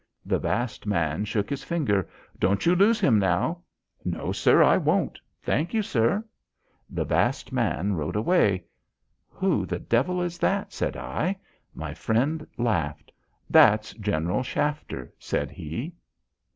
The vast man shook his finger. "Don't you lose him now." "No, sir, I won't; thank you, sir." The vast man rode away. "Who the devil is that?" said I. My friend laughed. "That's General Shafter," said he.